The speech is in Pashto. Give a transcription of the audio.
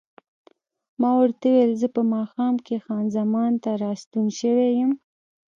ما ورته وویل: زه په ماښام کې خان زمان ته راستون شوی یم.